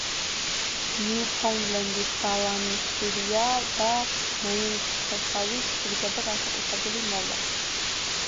ნიუფაუნდლენდის ბალანი ხშირია და მოუხეშავი, სჭირდება განსაკუთრებული მოვლა.